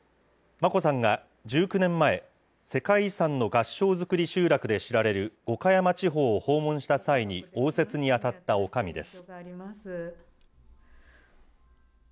眞子さんが１９年前、世界遺産の合掌造り集落で知られる五箇山地方を訪問した際に応接に当たったおかみです。